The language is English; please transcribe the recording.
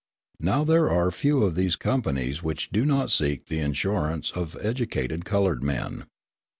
Now there are few of these companies which do not seek the insurance of educated coloured men.